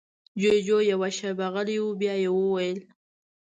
جُوجُو يوه شېبه غلی و، بيا يې وويل: